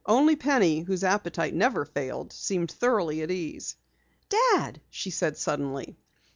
Only Penny, whose appetite never failed, seemed thoroughly at ease. "Dad," she said suddenly.